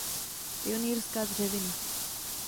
Pionýrská dřevina.